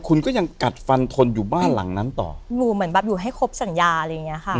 คุณก็ยังกัดฟันทนอยู่บ้านหลังนั้นต่อหนูเหมือนแบบอยู่ให้ครบสัญญาอะไรอย่างเงี้ยค่ะ